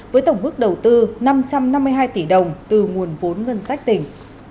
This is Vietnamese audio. với tổng mức đầu tư năm trăm năm mươi hai tỷ đồng từ nguồn vốn ngân sách tỉnh